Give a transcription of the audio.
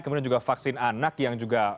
kemudian juga vaksin anak yang juga